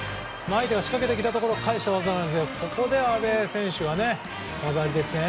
相手が仕掛けてきたところを返した技なんですがここで阿部選手が技ありですね。